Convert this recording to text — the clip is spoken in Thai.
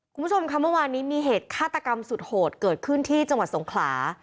คุณผู้ชมค่ะเมื่อวานนี้มีเหตุฆาตกรรมสุดโหดเกิดขึ้นที่จังหวัดสงขลา